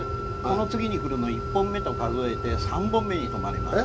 この次に来るのを１本目と数えて３本目に止まります。